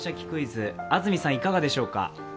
クイズ」、安住さん、いかがでしょうか？